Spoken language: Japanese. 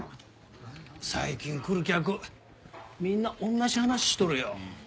最近来る客みんな同じ話しとるよ。